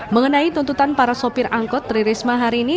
mengenai tuntutan para sopir angkot tri risma hari ini